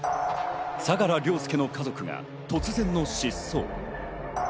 相良凌介の家族が突然の失踪。